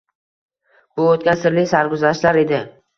Bu o‘tgan sirli sarguzashtlar edi.